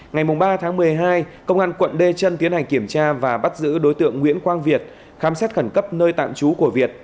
ngày ba tháng một mươi hai công an quận đê chân tiến hành kiểm tra và bắt giữ đối tượng nguyễn quang việt khám xét khẩn cấp nơi tạm trú của việt